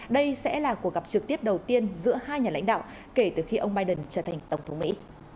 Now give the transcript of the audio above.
đây sẽ là cuộc gặp trực tiếp đầu tiên giữa hai nhà lãnh đạo kể từ khi ông biden trở thành tổng thống mỹ